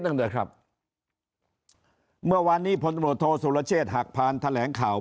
นึงด้วยครับเมื่อวันนี้พลธสุรเชษฐ์หากผ่านแถแหลงข่าว